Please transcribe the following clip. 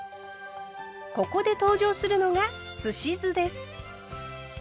ここで登場するのがすし酢です。